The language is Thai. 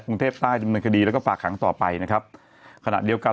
กรุงเทพใต้ดำเนินคดีแล้วก็ฝากหางต่อไปนะครับขณะเดียวกัน